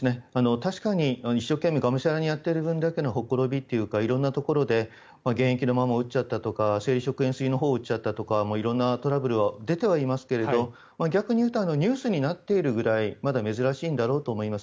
確かに一生懸命がむしゃらにやっている分のほころびというか色んなところで原液のまま打っちゃったとか生理食塩水のほうを打っちゃったとか色んなトラブルが出ていますが逆にニュースに出ているぐらい珍しいことだと思います。